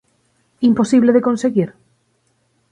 ¿Imposible de conseguir?